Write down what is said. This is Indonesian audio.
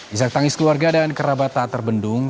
isak tangis keluarga dan kerabat tak terbendung